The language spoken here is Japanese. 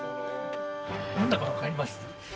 何だか分かります？